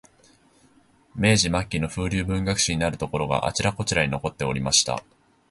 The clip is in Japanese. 明治末期の風流文学史になるところが、あちらこちらに残っておりました